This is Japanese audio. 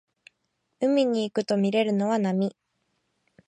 海に行くとみれるのは波